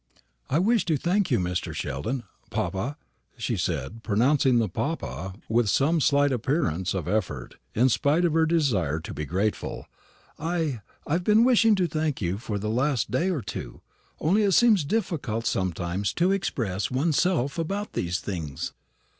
"I wish to thank you, Mr. Sheldon papa," she said, pronouncing the "papa" with some slight appearance of effort, in spite of her desire to be grateful: "I I have been wishing to thank you for the last day or two; only it seems so difficult sometimes to express one's self about these things."